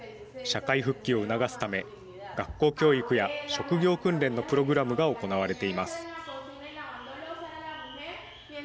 社会復帰を促すため学校教育や職業訓練のプログラムが行われています。